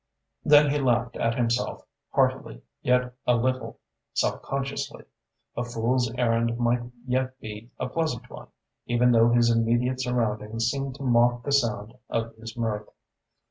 Then he laughed at himself, heartily yet a little self consciously. A fool's errand might yet be a pleasant one, even though his immediate surroundings seemed to mock the sound of his mirth.